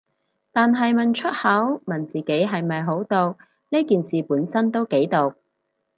但係問出口，問自己係咪好毒，呢件事本身都幾毒